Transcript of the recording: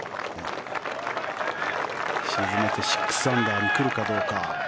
沈めて６アンダーに来るかどうか。